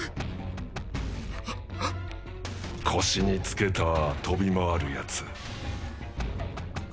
腰に付けた飛び回るやつ。